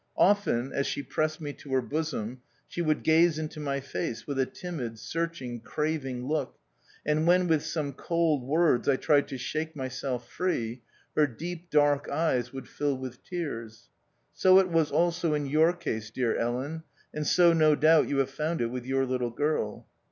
Often, as she pressed me to her bosom, she would gaze into my face with a timid, searching, craving look ; and when with some cold words I tried to shake myself free, her deep, dark eyes would fill with tears. So it was also in your case, dear Ellen, and so no doubt you have found it with your little girl.